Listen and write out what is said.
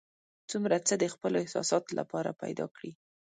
څومره څه د خپلو احساساتو لپاره پیدا کړي.